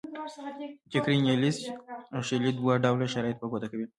کیکیري، نیلیس او شیرلي دوه ډوله شرایط په ګوته کوي.